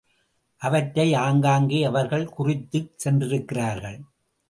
அவற்றை ஆங்காங்கே அவர்கள் குறித்துச் சென்றிருக்கிறார்கள்.